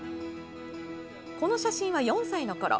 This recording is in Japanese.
この写真は、４歳のころ。